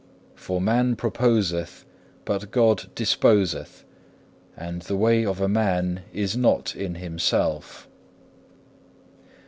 For man proposeth, but God disposeth; and the way of a man is not in himself.